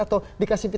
atau dosisnya dikurangi